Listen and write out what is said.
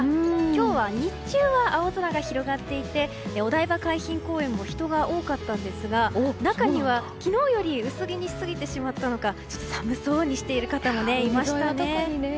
今日は日中は青空が広がっていてお台場海浜公園も人が多かったんですが中には、昨日より薄着にしすぎてしまったのかちょっと寒そうにしている方もいましたね。